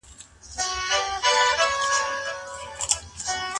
خواښي، خوسر، ورور، خور، خاله، عمه، ورينداره، ماما او کاکا.